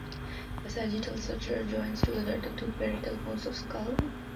The sagittal suture joins together the two parietal bones of skull.